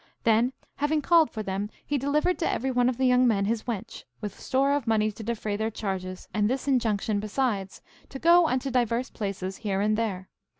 Then having called for them, he delivered to every one of the young men his wench, with store of money to defray their charges, and this injunction besides, to go unto divers places here and there.